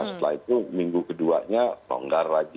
setelah itu minggu keduanya longgar lagi